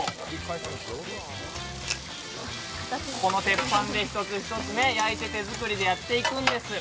この鉄板で一つ一つ焼いて手作りでやっていくんです。